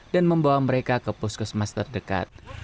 dan membawa mereka ke puskesmas terdekat